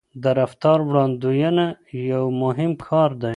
د رفتار وړاندوينه یو مهم کار دی.